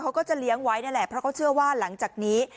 เขาก็จะเลี้ยงไว้นั่นแหละเพราะเขาเชื่อว่าหลังจากนี้